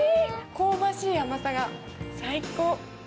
香ばしい甘さが最高。